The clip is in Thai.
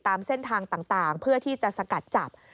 ตามเส้นทางต่างเพื่อที่จะสกัดจับ